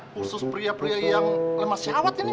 khusus pria pria yang lemah syawat ini